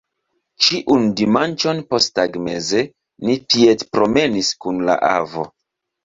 Ĉiun dimanĉon posttagmeze ni piedpromenis kun la avo.